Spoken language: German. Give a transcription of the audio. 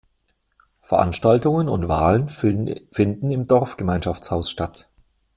Veranstaltungen und Wahlen finden im "Dorfgemeinschaftshaus" statt.